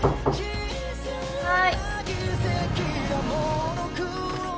はい！